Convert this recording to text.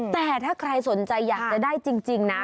แต่ถ้าใครสนใจอยากจะได้จริงนะ